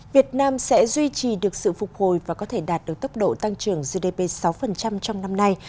việt nam sẽ duy trì được sự phục hồi và có thể đạt được tốc độ tăng trưởng gdp sáu trong năm nay